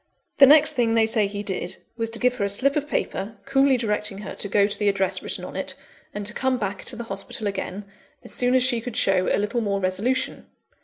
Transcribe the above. The next thing they say he did, was to give her a slip of paper, coolly directing her to go to the address written on it, and to come back to the hospital again, as soon as she could show a little more resolution.